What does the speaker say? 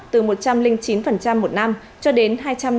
từ một trăm linh chín một năm cho đến hai trăm năm mươi